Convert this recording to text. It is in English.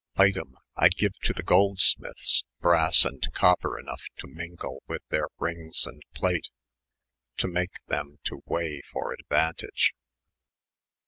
Item, I gene to the Goldesmithes, brasse & copper inongk to myngle with their lynges & plate, to make them to wey for advanntage.